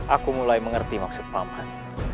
aku mulai mengerti maksud paman